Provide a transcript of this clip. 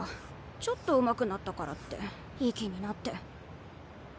ちょっとうまくなったからっていい気になって。